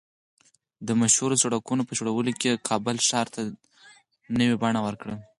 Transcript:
د مشهورو سړکونو په جوړولو یې کابل ښار ته نوې بڼه ورکړه